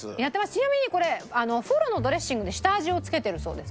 ちなみにこれフォロのドレッシングで下味をつけてるそうです。